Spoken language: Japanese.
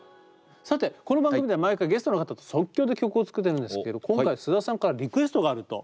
さてこの番組では毎回ゲストの方と即興で曲を作っているんですけど今回須田さんからリクエストがあると。